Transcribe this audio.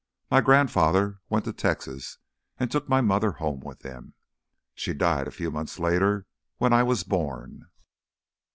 My grandfather went to Texas and took my mother home with him. She died a few months later, when I was born.